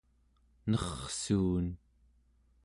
nerrsuun